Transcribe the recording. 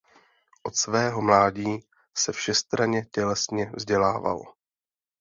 Od svého mládí se všestranně tělesně vzdělával.